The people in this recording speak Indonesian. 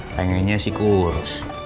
pengennya sih kurus